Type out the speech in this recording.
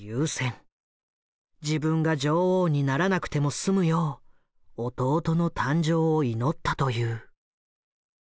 自分が女王にならなくても済むよう弟の誕生を祈ったという。